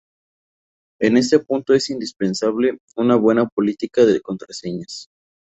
En este punto es indispensable una buena política de contraseñas.